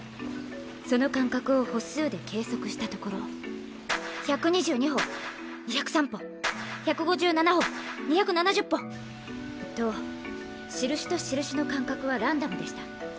その間隔を歩数で計測したところ１２２歩２０３歩１５７歩２７０歩と印と印の間隔はランダムでした。